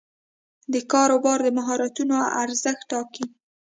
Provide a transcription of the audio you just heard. د کار بازار د مهارتونو ارزښت ټاکي.